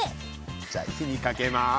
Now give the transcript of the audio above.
じゃ火にかけます。